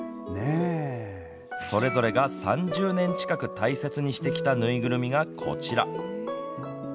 それぞれが３０年近く大切にしてきた縫いぐるみがこちら。